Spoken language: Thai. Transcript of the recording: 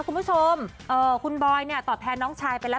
คุณผู้ชมคุณบอยตอบแพ้น้องชายไปแล้ว